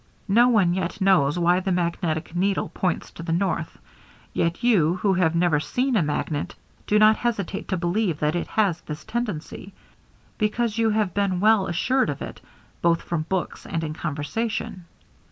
No one yet knows why the magnetic needle points to the north; yet you, who have never seen a magnet, do not hesitate to believe that it has this tendency, because you have been well assured of it, both from books and in conversation.